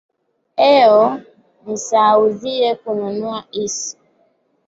Eo nisahaudhie kununua isi.